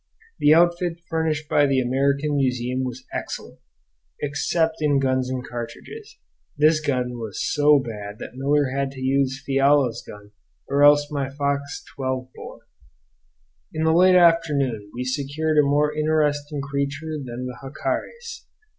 The outfit furnished by the American Museum was excellent except in guns and cartridges; this gun was so bad that Miller had to use Fiala's gun or else my Fox 12 bore. In the late afternoon we secured a more interesting creature than the jacares.